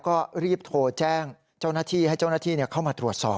ก็รีบโทรแจ้งเจ้าหน้าที่ให้เจ้าหน้าที่เข้ามาตรวจสอบ